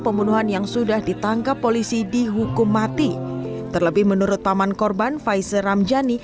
pembunuhan yang sudah ditangkap polisi dihukum mati terlebih menurut paman korban faizer ramjani